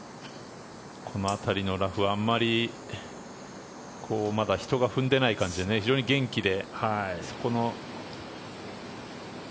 この辺りのラフはあまりまだ人が踏んでいない感じで非常に元気で。